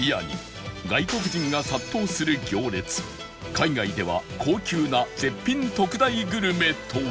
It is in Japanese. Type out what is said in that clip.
海外では高級な絶品特大グルメとは？